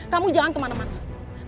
kamu jangan kemana mana